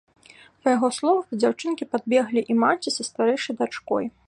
Па яго словах, да дзяўчынкі падбеглі і маці са старэйшай дачкой.